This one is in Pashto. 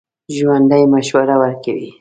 ژوندي مشوره ورکوي